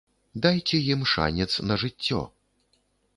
Дайце ім шанец на жыццё!